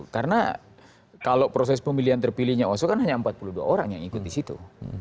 karena kalau proses pemilihan terpilihnya oso kan hanya empat puluh dua orang yang ikut di situ